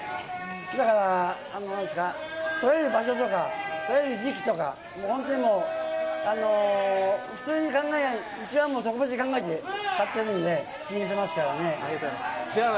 だから、とれる場所とかとれる時期とか、本当にもう、普通に考えないでうちは特別に考えて買ってますんで。